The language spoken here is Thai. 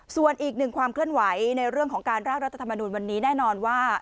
ส่วนอีกหนึ่งความเคลื่อนไหวในเรื่องของการร่างรัฐธรรมนูลวันนี้แน่นอนว่า